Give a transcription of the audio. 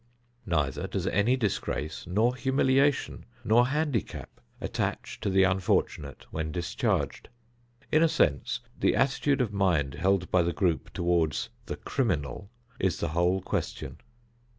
Neither does any disgrace nor humiliation nor handicap attach to the unfortunate when discharged. In a sense, the attitude of mind held by the group toward the "criminal" is the whole question.